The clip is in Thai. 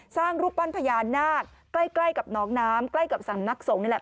รูปปั้นพญานาคใกล้กับน้องน้ำใกล้กับสำนักสงฆ์นี่แหละ